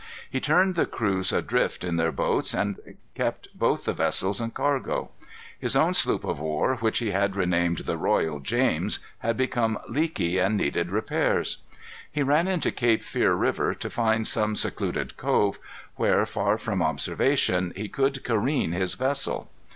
He turned the crews adrift in their boats and kept both the vessels and cargo. His own sloop of war, which he had renamed the Royal James, had become leaky, and needed repairs. He ran into Cape Fear River to find some secluded cove, where, far from observation, he could careen his vessel.